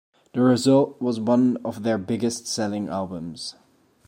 The result was one of their biggest selling albums.